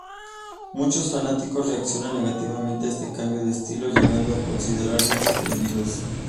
Muchos fanáticos reaccionan negativamente a este cambio de estilo, llegando a considerarlos "vendidos".